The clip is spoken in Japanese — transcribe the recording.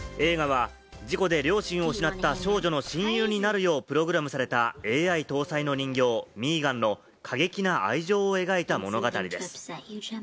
映画は事故で両親を失った少女の親友になるようプログラムされたＡＩ搭載の人形・Ｍ３ＧＡＮの過激な愛情を描いた物語です。